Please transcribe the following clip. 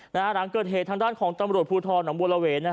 หลังเกิดเหตุทางด้านของตำรวจภูทรหนองบัวระเวน